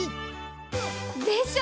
でしょ！